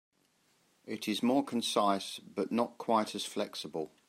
It is more concise but not quite as flexible.